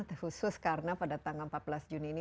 terkhusus karena pada tanggal empat belas juni ini